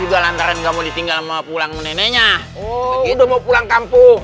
juga lantaran gak mau ditinggal mau pulang neneknya udah mau pulang kampung